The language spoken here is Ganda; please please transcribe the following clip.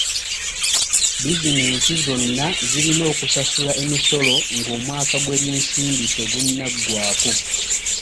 Bizinensi zonna zirina okusasula emisolo ng'omwaka gw'ebyensimbi tegunnaggwako.